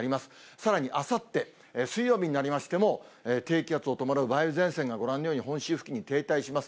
さらにあさって水曜日になりましても、低気圧を伴う梅雨前線がご覧のように、本州付近に停滞します。